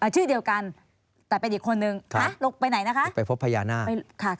ชื่อเดียวกันแต่เป็นอีกคนนึงลงไปไหนนะคะ